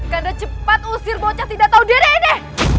kanda cepat usir bocah tidak tahu diri ini